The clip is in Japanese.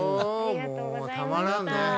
もうたまらんね。